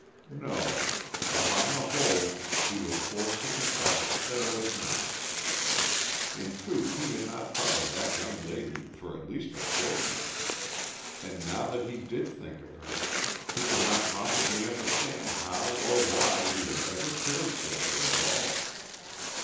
No; upon the whole he was forced to confess that it was not. In truth he had not thought of that young lady for at least a fortnight; and now that he did think of her he could not possibly understand how or why he had ever cared for her at all.